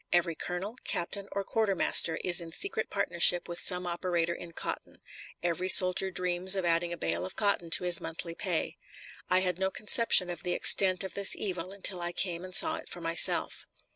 Every colonel, captain, or quartermaster is in secret partnership with some operator in cotton; every soldier dreams of adding a bale of cotton to his monthly pay. I had no conception of the extent of this evil until I came and saw for myself.